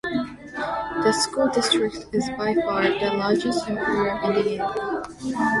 The school district is by far the largest employer in the area.